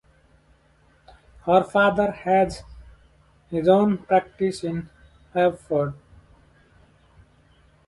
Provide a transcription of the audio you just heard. Her father has his own practice in Haverford.